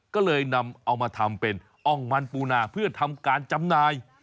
ก็เลยนำเอามาทำเป็นอ้องมันปูนาเพื่อทำการจำหน่าย